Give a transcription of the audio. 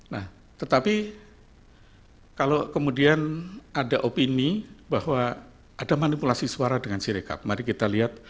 nah tetapi kalau kemudian ada opini bahwa ada manipulasi suara dengan sirekap mari kita lihat